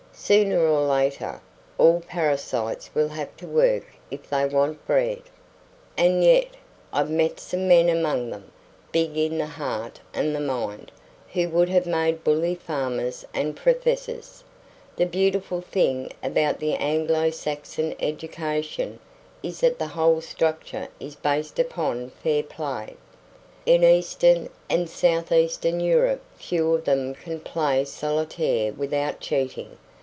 "Sooner or later, all parasites will have to work if they want bread. And yet I've met some men among them, big in the heart and the mind, who would have made bully farmers and professors. The beautiful thing about the Anglo Saxon education is that the whole structure is based upon fair play. In eastern and southeastern Europe few of them can play solitaire without cheating.